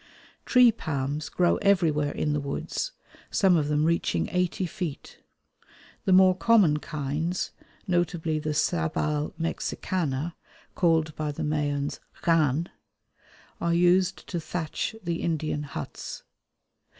Tree palms grow everywhere in the woods, some of them reaching eighty feet. The more common kinds, notably the Sabal mexicana, called by the Mayans x̆aan, are used to thatch the Indian huts.